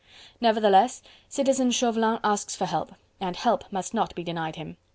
Nevertheless Citizen Chauvelin asks for help, and help must not be denied him.